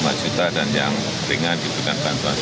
langsung act lima ini memberikan nusantara mereka union negara